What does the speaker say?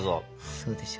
そうでしょ？